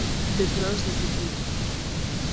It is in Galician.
De plans de futuro.